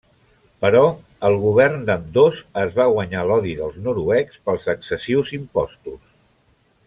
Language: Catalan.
Però el govern d'ambdós es va guanyar l'odi dels noruecs pels excessius impostos.